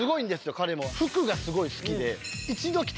彼も服がスゴい好きで。